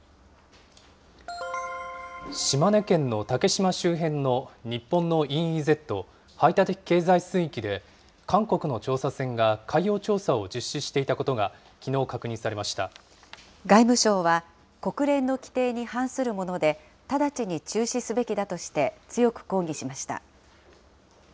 島根県の竹島周辺の日本のＥＥＺ・排他的経済水域で、韓国の調査船が海洋調査を実施していたことがきのう確認されまし外務省は、国連の規定に反するもので、直ちに中止すべきだとして、強く抗議しました。